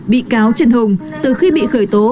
bị cáo trần hùng từ khi bị khởi tố